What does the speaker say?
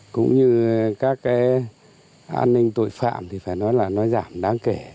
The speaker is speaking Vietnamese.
cũng như các cái an ninh tội phạm thì phải nói là nó giảm đáng kể